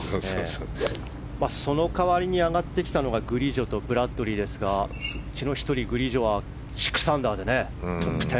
その代わりに上がってきたのがグリジョとブラッドリーですがそのうちの１人、グリジョは６アンダーでトップ１０。